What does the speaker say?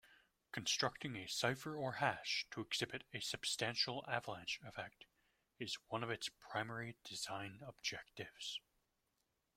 Constructing a cipher or hash to exhibit a substantial avalanche effect is one of its primary design objectives.